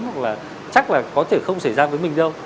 hoặc là chắc là có thể không xảy ra với mình đâu